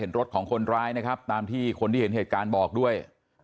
รถของคนร้ายนะครับตามที่คนที่เห็นเหตุการณ์บอกด้วย